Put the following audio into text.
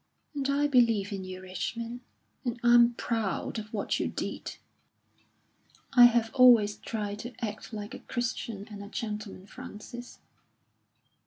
And I believe in you, Richmond; and I'm proud of what you did." "I have always tried to act like a Christian and a gentleman, Frances."